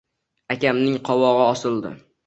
Akamning qovog'i osildi: